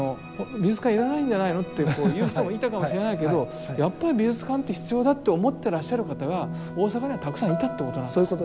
美術館要らないんじゃないのって言う人もいたかもしれないけどやっぱり美術館って必要だって思ってらっしゃる方が大阪にはたくさんいたってことなんですね。